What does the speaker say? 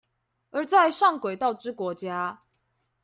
而在上軌道之國家